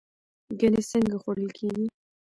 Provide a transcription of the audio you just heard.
ګنی څنګه خوړل کیږي؟